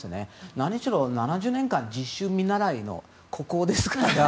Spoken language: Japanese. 何しろ、７０年間実習見習いの国王ですから。